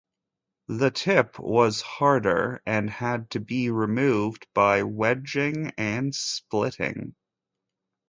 The tip was harder and had to be removed by wedging and splitting.